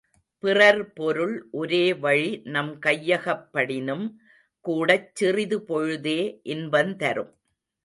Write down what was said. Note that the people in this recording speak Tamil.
பிறர் பொருள் ஒரே வழி நம் கையகப்படினும் கூடச் சிறிது பொழுதே இன்பந்தரும்.